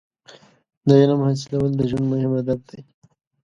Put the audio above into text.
• د علم حاصلول د ژوند مهم هدف دی.